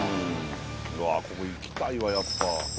うわっここ行きたいわやっぱ。